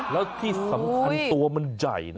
แล้วที่สำคัญตัวมันใหญ่นะ